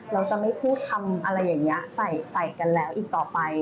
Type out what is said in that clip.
เราจะไม่พูดคำอะไรอย่างนี้ใส่กันแล้วอีกต่อไป